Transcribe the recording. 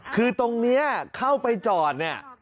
คือตรงนี้เข้าไปจอด